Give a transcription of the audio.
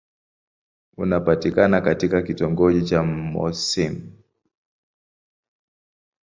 Unapatikana katika kitongoji cha Mouassine.